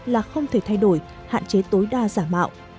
là không thể thay đổi hạn chế tối đa giả mạo